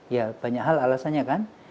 ya banyak hal alasannya kan